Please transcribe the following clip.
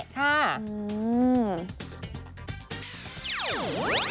ใช่ค่ะอืม